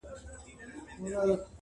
خداى وركړي عجايب وه صورتونه-